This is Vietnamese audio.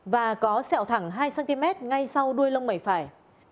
và có xẹo thẳng hai cm ngay sau đuôi lông mảy phải